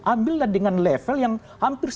ambillah dengan level yang hampir